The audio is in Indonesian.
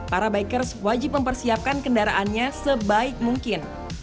para bikers wajib mempersiapkan kendaraannya sebaik mungkin